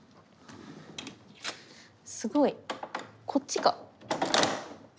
すごい。こっちか。